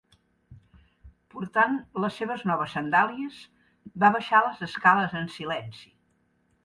Portant les seves noves sandàlies, va baixar les escales en silenci.